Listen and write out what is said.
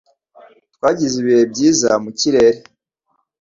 Twagize ibihe byiza mu kirere.